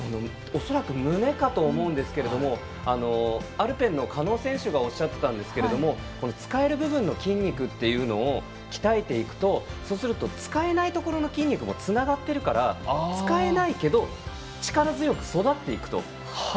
恐らく胸かと思うんですがアルペンの狩野選手がおっしゃってたんですけれども使える部分の筋肉というのを鍛えていくと使えないところの筋肉もつながっているから使えないけど力強く育っていくと。